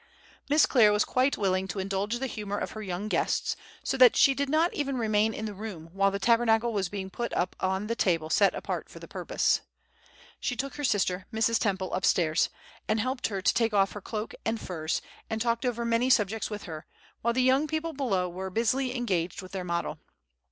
Miss Clare was quite willing to indulge the humor of her young guests, so that she did not even remain in the room while the Tabernacle was being put up on the table set apart for the purpose. She took her sister, Mrs. Temple, up stairs, and helped her to take off her cloak and furs, and talked over many subjects with her, while the young people below were busily engaged with their model.